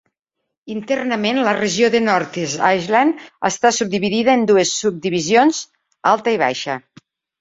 Internament, la regió de North Island està subdividida en dues subdivisions: Alta i Baixa.